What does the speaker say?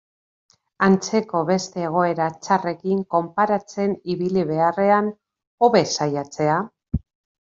Antzeko beste egoera txarrekin konparatzen ibili beharrean, hobe saiatzea.